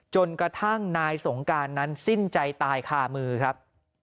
จนกระทั่งนายสงการนั้นสิ้นใจตายคามือครับ